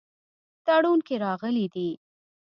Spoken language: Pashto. تړون کې راغلي دي.